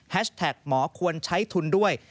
แท็กหมอควรใช้ทุนด้วย